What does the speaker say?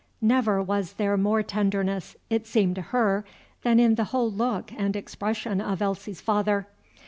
Never was there more tenderness, it seemed to her, than in the whole look and expression of Elsie's father.